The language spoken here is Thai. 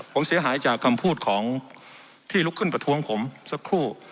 ผมเสียหายจากคำพูดของที่ลุกขึ้นประท้วงผมสักครู่